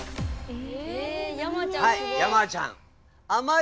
え⁉